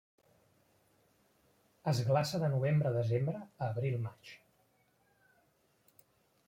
Es glaça de novembre-desembre a abril-maig.